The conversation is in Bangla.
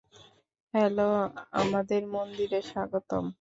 হ্যালো, আমাদের মন্দিরে স্বাগতম।